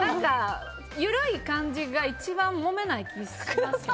緩い感じが一番もめない感じします。